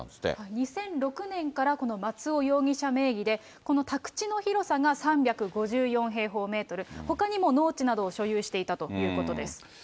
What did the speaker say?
２００６年から、この松尾容疑者名義で、この宅地の広さが３５４平方メートル、ほかにも農地などを所有していたということです。